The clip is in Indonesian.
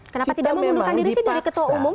kenapa tidak mengundurkan diri sih dari ketua umum